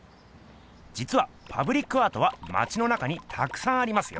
じつはパブリックアートはまちの中にたくさんありますよ。